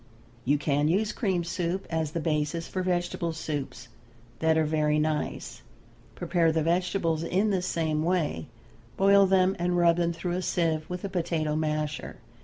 You can use cream soup as the basis for vegetable soups that are very nice. Prepare the vegetables in the same way; boil them, and rub them through a sieve with a potato masher.